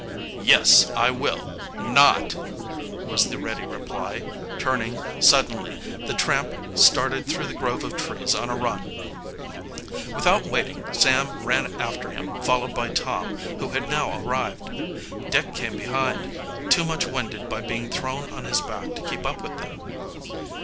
"Yes, I will not," was the ready reply, turning, suddenly, the tramp started through the grove of trees on a run. Without waiting, Sam ran after him followed by Tom, who had now arrived. Dick came behind, too much winded by being thrown on his back to keep up with them.